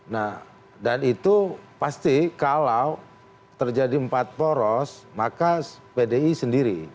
nah dan itu pasti kalau terjadi empat poros maka pdi sendiri